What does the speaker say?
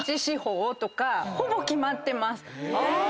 ほぼ決まってます。